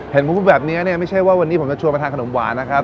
เห็นมุมแบบนี้ไม่ใช่ว่าวันนี้ผมจะชวนมาทานขนมหวานนะครับ